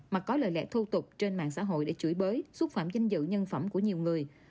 mà có lời lẽ thô tục trên mạng xã hội để chửi bới xúc phạm danh dự nhân phẩm của nhiều người